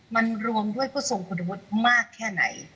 มันรวมด้วยผู้ทรงพฤษมากแค่ไหน